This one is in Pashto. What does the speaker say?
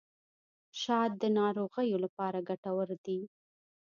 شات د ناروغیو لپاره ګټور دي.